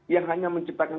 yang hanya menciptakan